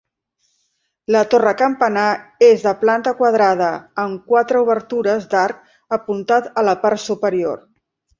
La torre-campanar és de planta quadrada, amb quatre obertures d'arc apuntat a la part superior.